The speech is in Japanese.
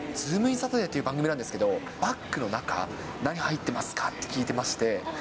サタデーという番組なんですけど、バッグの中、何入ってますかって聞いてまして。